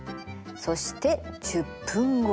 そして１０分後。